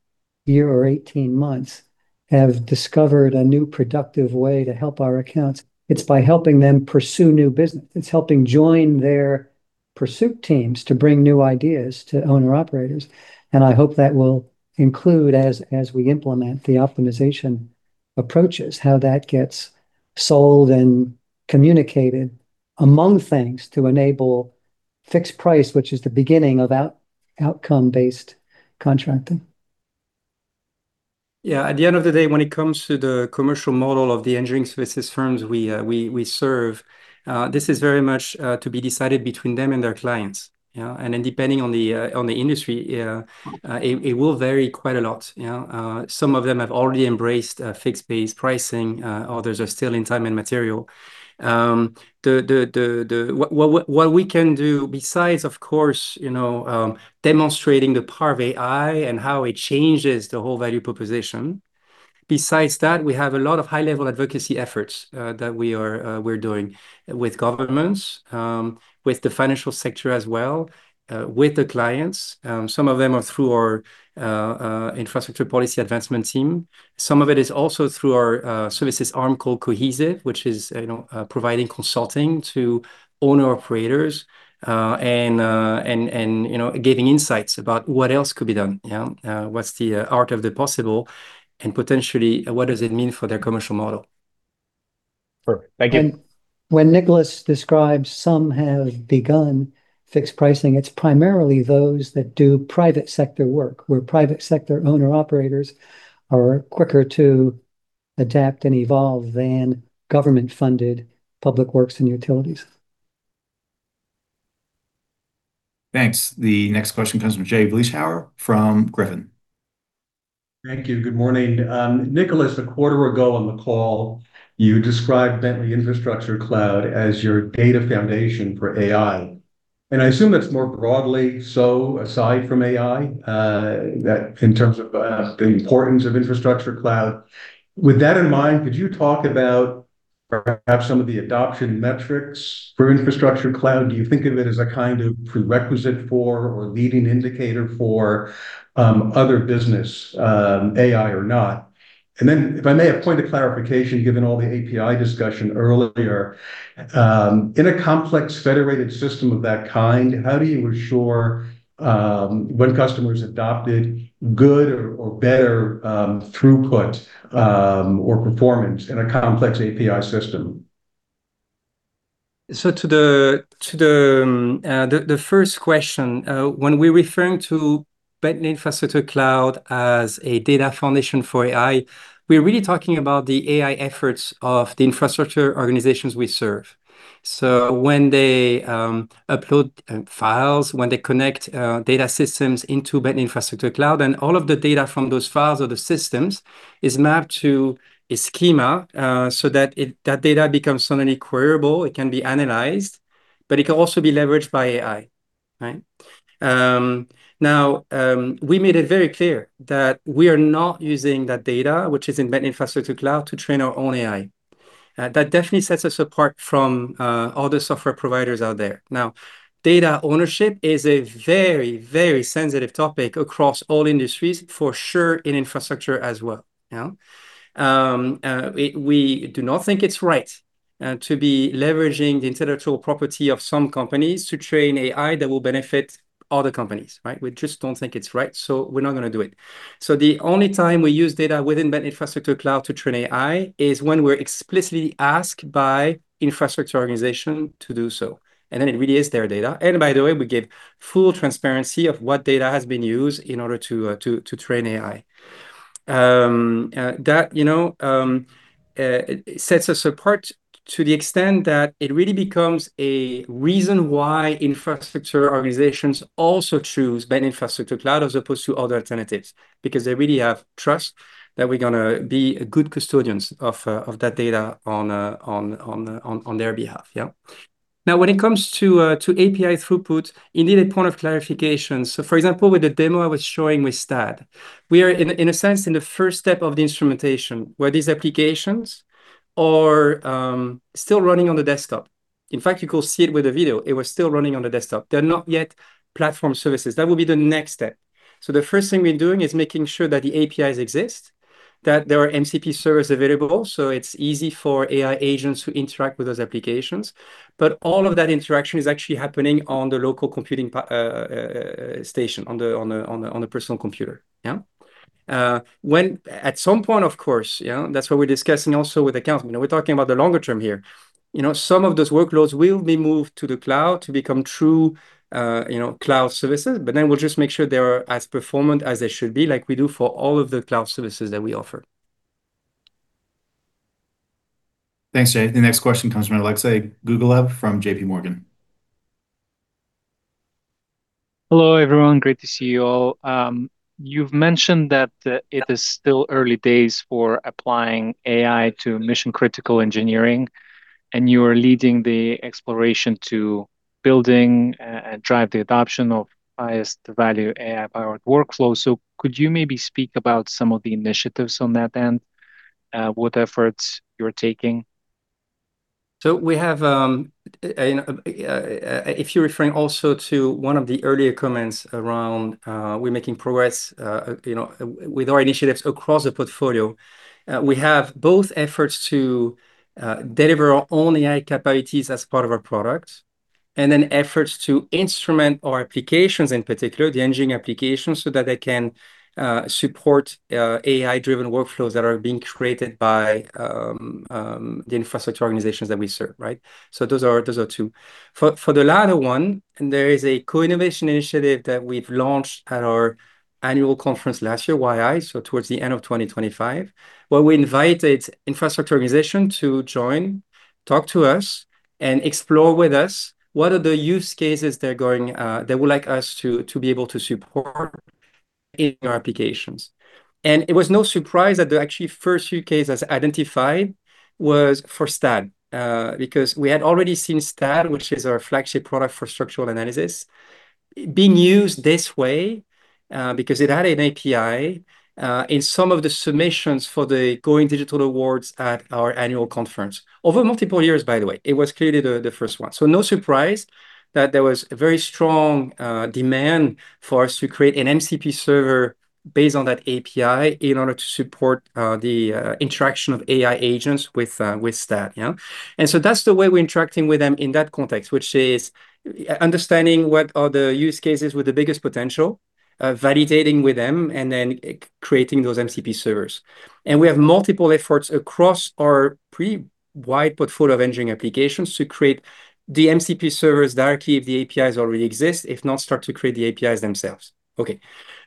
or 18 months have discovered a new productive way to help our accounts. It's by helping them pursue new business. It's helping join their pursuit teams to bring new ideas to owner-operators, and I hope that will include as we implement the optimization approaches, how that gets sold and communicated, among things, to enable fixed price, which is the beginning of outcome-based contracting. Yeah, at the end of the day, when it comes to the commercial model of the engineering services firms we serve, this is very much to be decided between them and their clients, you know. Depending on the industry, it will vary quite a lot, you know. Some of them have already embraced fixed-based pricing, others are still in time and material. What we can do, besides, of course, you know, demonstrating the power of AI and how it changes the whole value proposition. Besides that, we have a lot of high-level advocacy efforts that we are doing with governments, with the financial sector as well, with the clients. Some of them are through our infrastructure policy advancement team. Some of it is also through our services arm called Cohesive, which is, you know, providing consulting to owner-operators, and, you know, giving insights about what else could be done. You know? What's the art of the possible and potentially what does it mean for their commercial model? Perfect. Thank you. When Nicholas describes some have begun fixed pricing, it's primarily those that do private sector work, where private sector owner-operators are quicker to adapt and evolve than government-funded public works and utilities. Thanks. The next question comes from Jay Vleeschhouwer from Griffin. Thank you. Good morning. Nicholas, a quarter ago on the call, you described Bentley Infrastructure Cloud as your data foundation for AI, and I assume that's more broadly so aside from AI, that in terms of the importance of Infrastructure Cloud. With that in mind, could you talk about perhaps some of the adoption metrics for Infrastructure Cloud? Do you think of it as a kind of prerequisite for or leading indicator for other business, AI or not? Then if I may, a point of clarification, given all the API discussion earlier. In a complex federated system of that kind, how do you assure, when customers adopted good or better throughput or performance in a complex API system? To the first question. When we're referring to Bentley Infrastructure Cloud as a data foundation for AI, we're really talking about the AI efforts of the infrastructure organizations we serve. When they upload files, when they connect data systems into Bentley Infrastructure Cloud, and all of the data from those files or the systems is mapped to a schema, that data becomes suddenly queryable, it can be analyzed, but it can also be leveraged by AI. Right? Now, we made it very clear that we are not using that data, which is in Bentley Infrastructure Cloud, to train our own AI. That definitely sets us apart from other software providers out there. Now, data ownership is a very, very sensitive topic across all industries, for sure in infrastructure as well. You know? We do not think it's right to be leveraging the intellectual property of some companies to train AI that will benefit other companies. Right? We just don't think it's right, we're not gonna do it. The only time we use data within Bentley Infrastructure Cloud to train AI is when we're explicitly asked by infrastructure organization to do so, and then it really is their data. By the way, we give full transparency of what data has been used in order to train AI. That, you know, sets us apart to the extent that it really becomes a reason why infrastructure organizations also choose Bentley Infrastructure Cloud as opposed to other alternatives, because they really have trust that we're gonna be good custodians of that data on their behalf. When it comes to API throughput, indeed a point of clarification. For example, with the demo I was showing with STAAD, we are in a sense, in the first step of the instrumentation where these applications are still running on the desktop. In fact, you could see it with the video. It was still running on the desktop. They're not yet platform services. That will be the next step. The first thing we're doing is making sure that the APIs exist, that there are MCP servers available, so it's easy for AI agents who interact with those applications. All of that interaction is actually happening on the local computing station, on the personal computer. Yeah. At some point, of course, you know, that's what we're discussing also with accounts. You know, we're talking about the longer term here. You know, some of those workloads will be moved to the cloud to become true, you know, cloud services. We'll just make sure they are as performant as they should be, like we do for all of the cloud services that we offer. Thanks, Jay. The next question comes from Alexei Gogolev from JPMorgan. Hello, everyone. Great to see you all. You've mentioned that it is still early days for applying AI to mission-critical engineering, and you are leading the exploration to building and drive the adoption of highest value AI-powered workflows. Could you maybe speak about some of the initiatives on that end? What efforts you're taking? We have, you know, if you're referring also to one of the earlier comments around, we're making progress, you know, with our initiatives across the portfolio. We have both efforts to deliver our own AI capabilities as part of our product, and then efforts to instrument our applications, in particular the engineering applications, so that they can support AI-driven workflows that are being created by the infrastructure organizations that we serve, right? Those are two. For the latter one, there is a co-innovation initiative that we've launched at our annual conference last year, YII, so towards the end of 2025, where we invited infrastructure organization to join, talk to us, and explore with us what are the use cases they're going they would like us to be able to support in our applications. It was no surprise that the actually first use case as identified was for STAAD, because we had already seen STAAD, which is our flagship product for structural analysis, being used this way, because it had an API in some of the submissions for the Going Digital Awards at our Annual Conference over multiple years, by the way. It was clearly the first one. No surprise that there was a very strong demand for us to create an MCP server based on that API in order to support the interaction of AI agents with STAAD. Yeah. That's the way we're interacting with them in that context, which is understanding what are the use cases with the biggest potential, validating with them, and then creating those MCP servers. We have multiple efforts across our pretty wide portfolio of engineering applications to create the MCP servers directly if the APIs already exist. If not, start to create the APIs themselves. Okay.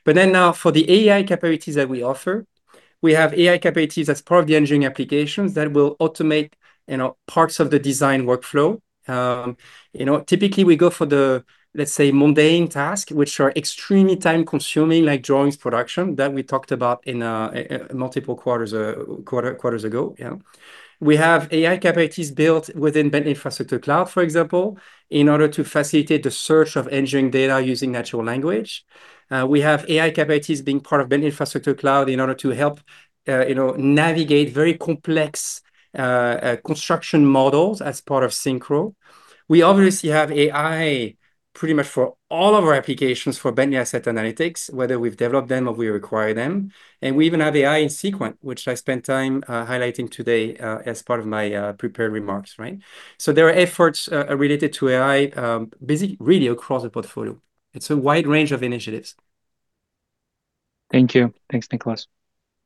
Now for the AI capabilities that we offer, we have AI capabilities as part of the engineering applications that will automate, you know, parts of the design workflow. You know, typically we go for the, let's say, mundane task, which are extremely time-consuming, like drawings production that we talked about in multiple quarters ago. Yeah. We have AI capabilities built within Bentley Infrastructure Cloud, for example, in order to facilitate the search of engineering data using natural language. We have AI capabilities being part of Bentley Infrastructure Cloud in order to help, you know, navigate very complex construction models as part of SYNCHRO. We obviously have AI pretty much for all of our applications for Bentley Asset Analytics, whether we've developed them or we acquire them. We even have AI in Seequent, which I spent time highlighting today as part of my prepared remarks, right? There are efforts related to AI really across the portfolio. It's a wide range of initiatives. Thank you. Thanks, Nicholas.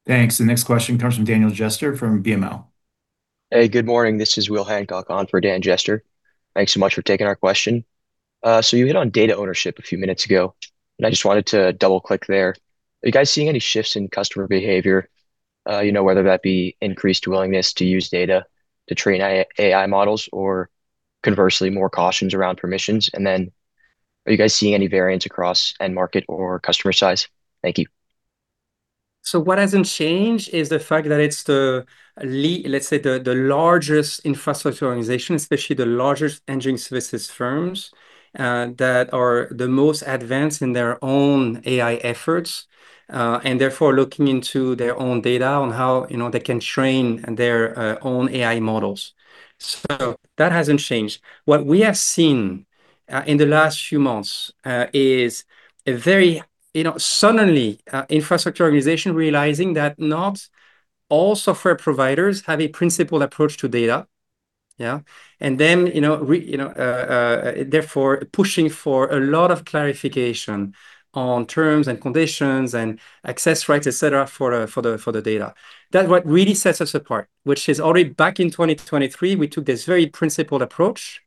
Thanks. The next question comes from Daniel Jester from BMO. Hey, good morning. This is Will Hancock on for Dan Jester. Thanks so much for taking our question. You hit on data ownership a few minutes ago, and I just wanted to double-click there. Are you guys seeing any shifts in customer behavior, you know, whether that be increased willingness to use data to train AI models? Or conversely, more cautions around permissions? Are you guys seeing any variance across end market or customer size? Thank you. What hasn't changed is the fact that it's let's say the largest infrastructure organization, especially the largest engineering services firms, that are the most advanced in their own AI efforts, and therefore looking into their own data on how, you know, they can train their own AI models. That hasn't changed. What we have seen in the last few months is a very, you know, suddenly, infrastructure organization realizing that not all software providers have a principled approach to data. Yeah. Then, you know, therefore pushing for a lot of clarification on terms and conditions and access rights, et cetera, for the data. That's what really sets us apart, which is already back in 2023, we took this very principled approach.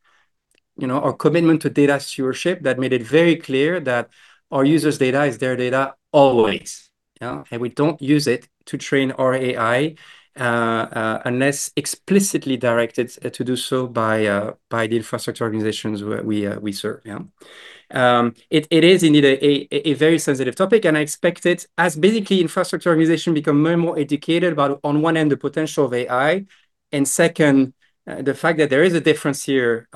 You know, our commitment to data stewardship that made it very clear that our users' data is their data always. We don't use it to train our AI unless explicitly directed to do so by the infrastructure organizations we serve. It is indeed a very sensitive topic, and I expect it, as basically infrastructure organization become more and more educated about, on one end, the potential of AI, and second, the fact that there is a difference here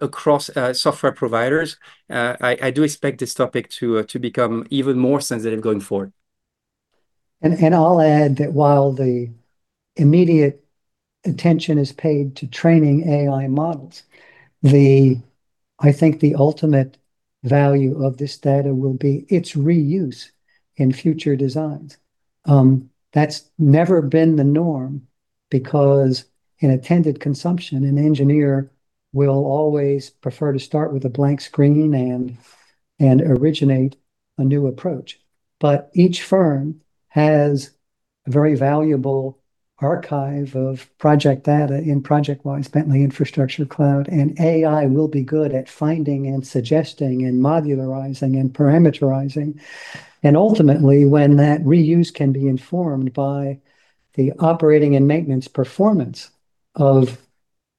across software providers. I do expect this topic to become even more sensitive going forward. I'll add that while the immediate attention is paid to training AI models, I think the ultimate value of this data will be its reuse in future designs. That's never been the norm because in attended consumption, an engineer will always prefer to start with a blank screen and originate a new approach. Each firm has a very valuable archive of project data in ProjectWise Bentley Infrastructure Cloud, AI will be good at finding and suggesting and modularizing and parameterizing. Ultimately, when that reuse can be informed by the operating and maintenance performance of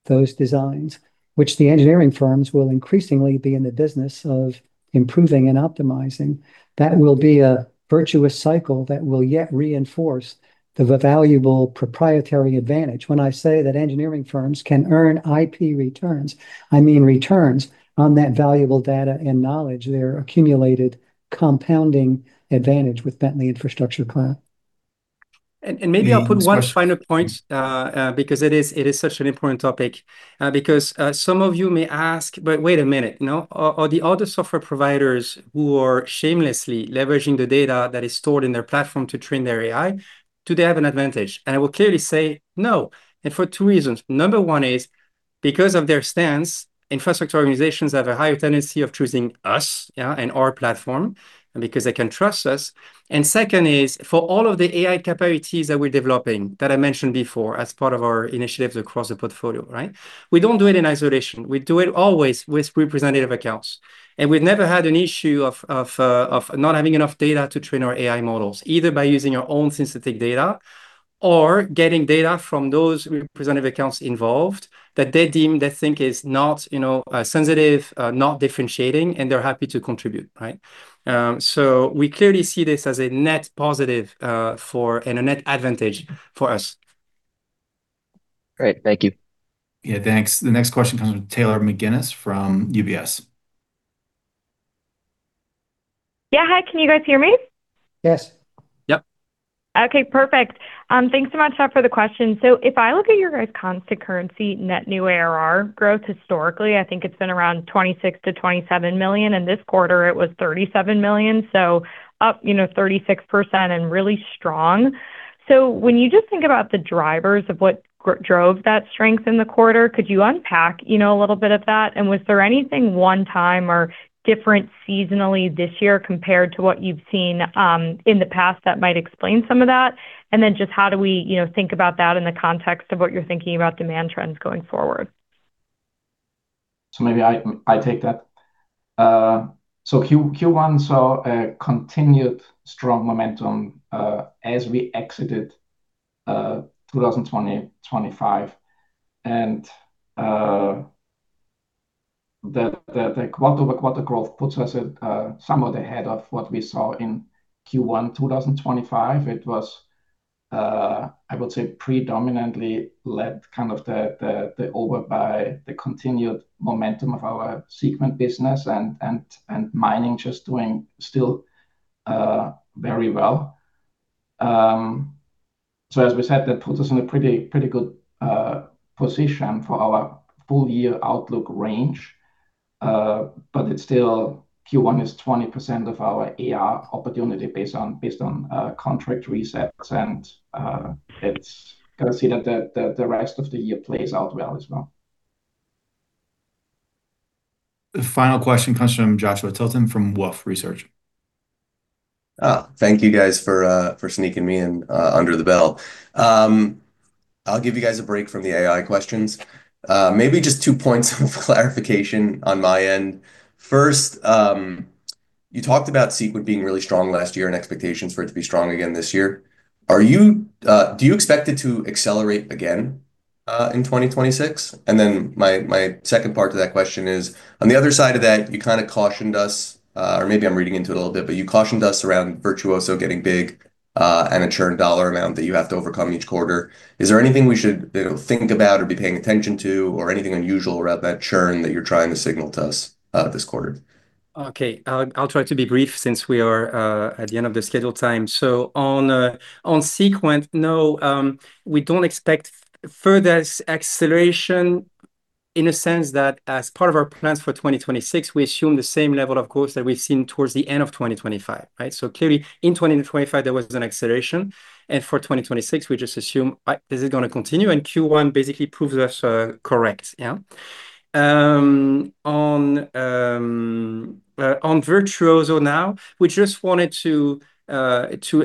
those designs, which the engineering firms will increasingly be in the business of improving and optimizing, that will be a virtuous cycle that will yet reinforce the valuable proprietary advantage. When I say that engineering firms can earn IP returns, I mean returns on that valuable data and knowledge, their accumulated compounding advantage with Bentley Infrastructure Cloud. Maybe I'll put one final point, because it is such an important topic. Because some of you may ask, but wait a minute, you know, are the other software providers who are shamelessly leveraging the data that is stored in their platform to train their AI, do they have an advantage? I will clearly say no, and for two reasons. Number one is because of their stance, infrastructure organizations have a higher tendency of choosing us, yeah, and our platform, and because they can trust us. Second is for all of the AI capabilities that we're developing that I mentioned before as part of our initiatives across the portfolio, right? We don't do it in isolation. We do it always with representative accounts, and we've never had an issue of not having enough data to train our AI models, either by using our own synthetic data or getting data from those representative accounts involved that they deem they think is not, you know, sensitive, not differentiating, and they're happy to contribute, right. We clearly see this as a net positive, for, and a net advantage for us. Great. Thank you. Yeah, thanks. The next question comes from Taylor McGinnis from UBS. Yeah. Hi, can you guys hear me? Yes. Yeah. Okay, perfect. Thanks so much for the question. If I look at your guys' constant currency net new ARR growth historically, I think it's been around $26 million-$27 million. In this quarter, it was $37 million, up 36% and really strong. When you just think about the drivers of what drove that strength in the quarter? Could you unpack a little bit of that? Was there anything one time or different seasonally this year compared to what you've seen in the past that might explain some of that? How do we think about that in the context of what you're thinking about demand trends going forward? Maybe I take that. Q1 saw a continued strong momentum as we exited 2025. The quarter-over-quarter growth puts us somewhat ahead of what we saw in Q1 2025. It was, I would say, predominantly led by the continued momentum of our Seequent business and mining just doing still very well. As we said, that puts us in a pretty good position for our full year outlook range. It's still Q1 is 20% of our ARR opportunity based on contract resets and it's gonna see that the rest of the year plays out well as well. The final question comes from Joshua Tilton from Wolfe Research. Thank you guys for sneaking me in under the bell. I'll give you guys a break from the AI questions. Maybe just two points of clarification on my end. First, you talked about Seequent being really strong last year and expectations for it to be strong again this year. Do you expect it to accelerate again in 2026? My second part to that question is, on the other side of that, you kind of cautioned us, or maybe I'm reading into it a little bit, but you cautioned us around Virtuoso getting big, and a churn dollar amount that you have to overcome each quarter. Is there anything we should, you know, think about or be paying attention to or anything unusual about that churn that you're trying to signal to us, this quarter? Okay. I'll try to be brief since we are at the end of the scheduled time. On Seequent, no, we don't expect further acceleration in a sense that as part of our plans for 2026, we assume the same level, of course, that we've seen towards the end of 2025, right? Clearly, in 2025, there was an acceleration, and for 2026, we just assume this is gonna continue, and Q1 basically proves us correct. Yeah. On Virtuoso now, we just wanted to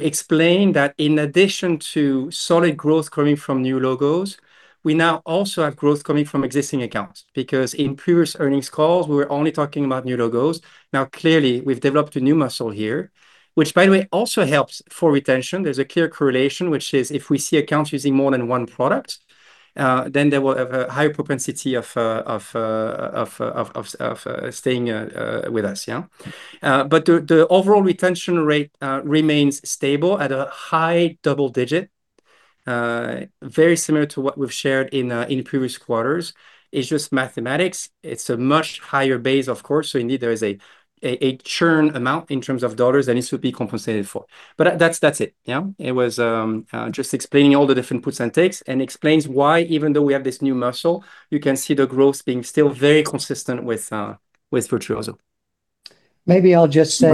explain that in addition to solid growth coming from new logos, we now also have growth coming from existing accounts. In previous earnings calls, we were only talking about new logos. Now, clearly, we've developed a new muscle here, which by the way, also helps for retention. There's a clear correlation, which is if we see accounts using more than one product, then they will have a higher propensity of staying with us. Yeah. The overall retention rate remains stable at a high double-digit, very similar to what we've shared in previous quarters. It's just mathematics. It's a much higher base, of course. Indeed there is a churn amount in terms of U.S. dollars that needs to be compensated for. That's it. Yeah. It was just explaining all the different puts and takes and explains why even though we have this new muscle, you can see the growth being still very consistent with Virtuoso. Maybe I'll just say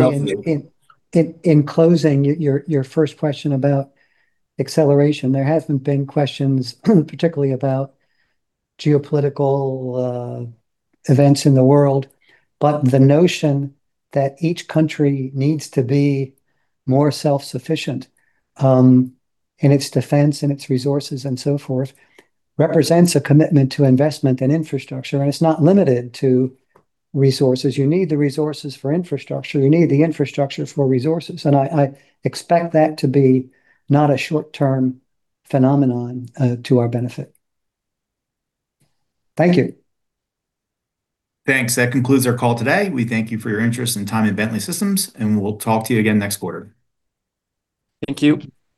in closing your first question about acceleration, there hasn't been questions particularly about geopolitical events in the world. The notion that each country needs to be more self-sufficient in its defense and its resources and so forth, represents a commitment to investment and infrastructure. It's not limited to resources. You need the resources for infrastructure. You need the infrastructure for resources, and I expect that to be not a short-term phenomenon to our benefit. Thank you. Thanks. That concludes our call today. We thank you for your interest and time in Bentley Systems. We'll talk to you again next quarter. Thank you.